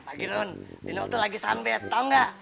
pak girun ini waktu lagi sunbat tau ngga